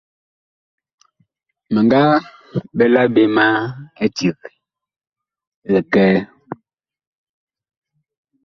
Mi nga ɓɛla ɓe ma éceg likɛɛ.